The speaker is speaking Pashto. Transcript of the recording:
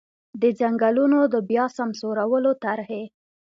د ځنګلونو د بیا سمسورولو طرحې.